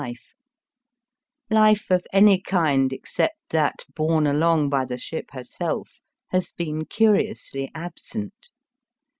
Life of any kind except that borne along by the ship herself has been curiously absent.